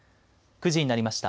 ９時になりました。